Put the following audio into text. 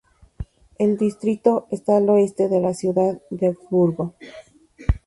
El distrito está al oeste de la ciudad de Augsburgo.